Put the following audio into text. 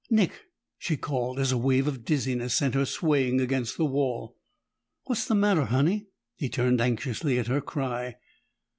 "Nick!" she called as a wave of dizziness sent her swaying against the wall. "What's the matter, Honey?" He turned anxiously at her cry.